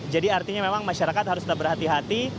jadi artinya memang masyarakat harus berhati hati